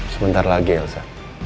sebentar lagi elsa